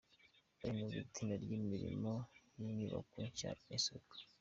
Barinubira itinda ry’imirimo y’inyubako nshya y’isoko